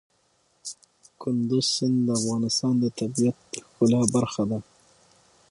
کندز سیند د افغانستان د طبیعت د ښکلا برخه ده.